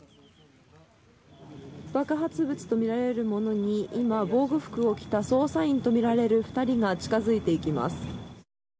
爆発物とみられるものに今、防護服を着た捜査員とみられる２人が近づいていきます。